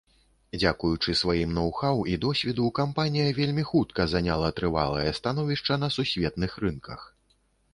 Дзякуючы сваім ноў-хаў і досведу, кампанія вельмі хутка заняла трывалае становішча на сусветных рынках.